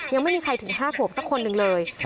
ยังไม่มีใครถึง๕ขวบสักคนหนึ่งเลย